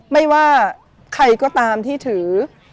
ไม่ว่าใครก็ตามที่ถือ